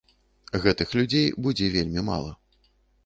Гэтых людзей будзе вельмі мала.